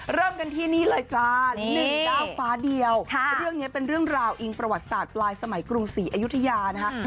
เริ่มกันที่นี่เลยจ้าลิ่งเจ้าฟ้าเดียวเรื่องนี้เป็นเรื่องราวอิงประวัติศาสตร์ปลายสมัยกรุงศรีอยุธยานะคะ